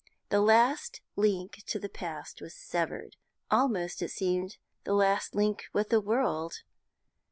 The last link with the past was severed almost, it seemed, the last link with the world.